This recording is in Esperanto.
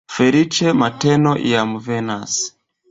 Feliĉe mateno jam venas!